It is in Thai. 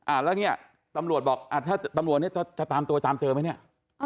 แล้วเนี่ยตำรวจบอกอ่าถ้าตำรวจเนี่ยจะตามตัวตามเจอไหมเนี่ย